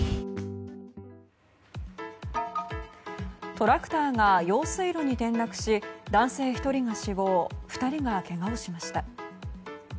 トラクターが用水路に転落し男性１人が死亡２人がけがをしました。